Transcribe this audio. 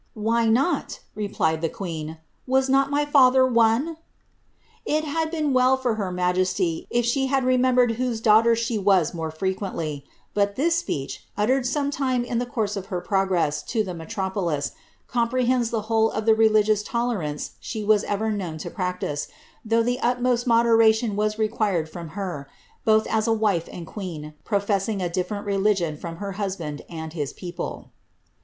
'^<^ Why not," replied the queen, ^ was not my father one r"^ It had been well for her majesty, if she had remembered whose daughter she was more frequently ; but this speech, uttered some time in the course of her progress to the metropolis, comprehends the whole of the religious toleration she was erer known to practise, though the utmost moderation was required from her, both as a wife and queen, professing a different religion from her husband and his people.